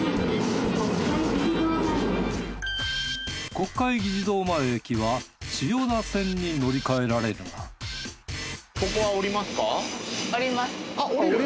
国会議事堂前駅は千代田線に乗り換えられるが降りる？